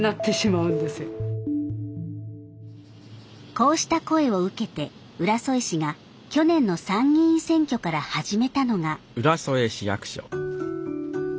こうした声を受けて浦添市が去年の参議院選挙から始めたのが。